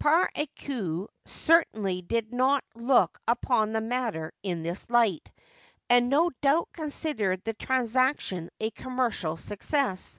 Parihu cer tainly did not look upon the matter in this light, and no doubt considered the transaction a commercial success.